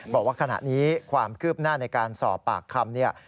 บอกว่าขณะนี้ความคืบหน้าในการสอบปากคำเนี่ย